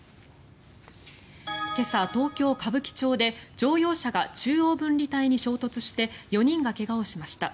今朝、東京・歌舞伎町で乗用車が中央分離帯に衝突して４人が怪我をしました。